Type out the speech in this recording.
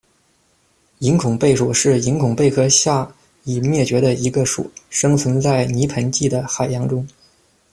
隐孔贝属是隐孔贝科下已灭绝的一个属，生存在泥盆纪的海洋中。